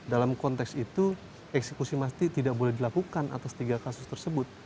dalam konteks itu eksekusi mati tidak boleh dilakukan atas tiga kasus tersebut